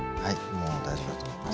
もう大丈夫だと思います。